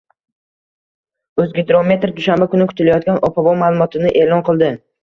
O‘zgidromet dushanba kuni kutilayotgan ob-havo ma’lumotini e’lon qildi